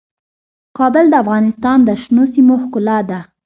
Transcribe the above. کابل د افغانستان د شنو سیمو ښکلا ده.